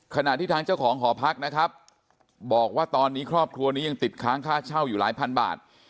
ขณะที่ทางเจ้าของหอพักนะครับบอกว่าตอนนี้ครอบครัวนี้ยังติดค้างค่าเช่าอยู่หลายพันบาท